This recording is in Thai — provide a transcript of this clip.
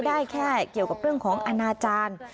ได้แค่เกี่ยวกับเรื่องของอนาจารย์